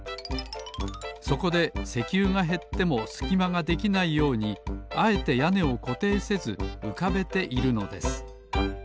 そこで石油がへってもすきまができないようにあえてやねをこていせずうかべているのです